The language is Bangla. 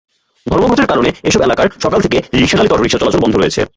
ধর্মঘটের কারণে এসব এলাকায় সকাল থেকে সিএনজিচালিত অটোরিকশা চলাচল বন্ধ রয়েছে।